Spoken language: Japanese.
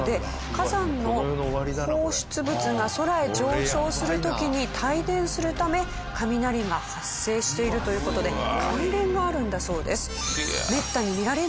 火山の放出物が空へ上昇する時に帯電するため雷が発生しているという事で関連があるんだそうです。